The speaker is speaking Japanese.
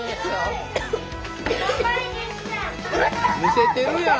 むせてるやん！